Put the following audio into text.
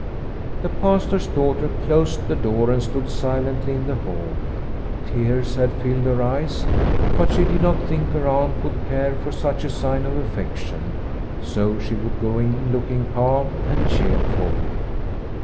The Pastor's daughter closed the door and stood silently in the hall. Tears had filled her eyes, but she did not think her aunt would care for such a sign of affection, so she would go in looking calm and cheerful.